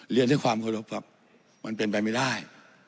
เรียนด้วยความเคารพครับมันเป็นไปไม่ได้